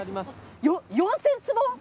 ４，０００坪。